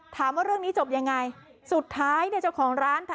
ถามว่าเรื่องนี้จบยังไงสุดท้ายเนี่ยเจ้าของร้านค่ะ